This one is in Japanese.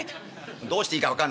どうしていいか分かんない。